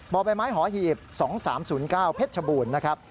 บ่อใบไม้หอหีบ๒๓๐๙เพชรชบูรณ์นะครับ